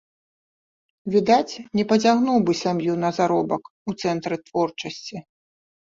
Відаць, не пацягнуў бы сям'ю на заробак у цэнтры творчасці.